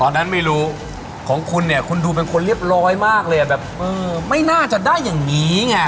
นั้นไม่รู้ของคุณเนี่ยคุณดูเป็นคนเรียบร้อยมากเลยอ่ะแบบเออไม่น่าจะได้อย่างนี้ไง